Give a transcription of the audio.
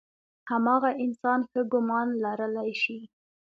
هماغه انسان ښه ګمان لرلی شي.